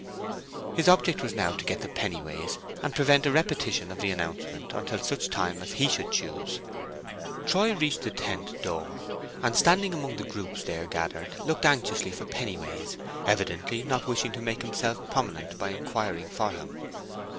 His object was now to get to Pennyways, and prevent a repetition of the announcement until such time as he should choose. Troy reached the tent door, and standing among the groups there gathered, looked anxiously for Pennyways, evidently not wishing to make himself prominent by inquiring for him.